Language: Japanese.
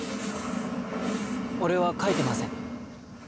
俺は書いてません